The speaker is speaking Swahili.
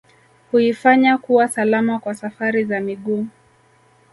Huifanya kuwa salama kwa safari za miguu